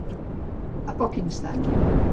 A poc instant.